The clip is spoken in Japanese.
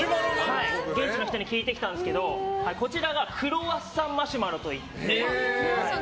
現地の人に聞いてきたんですけどこちらがクロワッサンマシュマロといって。